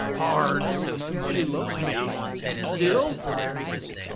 "PARD! SHE LOVES ME STILL?"